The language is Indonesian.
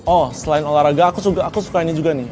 oh selain olahraga aku suka ini juga nih